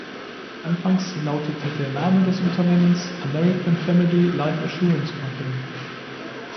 Anfangs lautete der Name des Unternehmens "American Family Life Assurance Company".